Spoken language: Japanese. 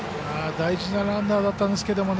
大事なランナーだったんですけどね。